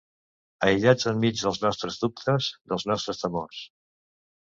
Aïllats enmig dels nostres dubtes, dels nostres temors.